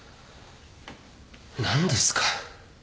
何ですか？